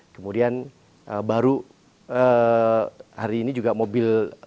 kemudian baru hari ini juga mobil